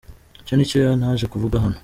Icyo ni cyo naje kuvuga hano.